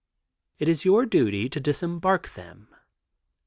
It is your duty to disembark them.